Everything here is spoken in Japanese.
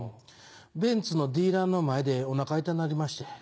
ベンツのディーラーの前でおなか痛なりまして。